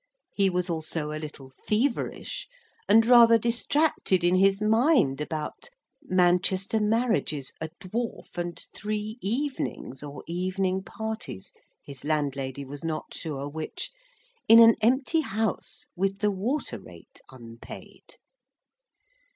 He was also a little feverish, and rather distracted in his mind about Manchester Marriages, a Dwarf, and Three Evenings, or Evening Parties—his landlady was not sure which—in an empty House, with the Water Rate unpaid.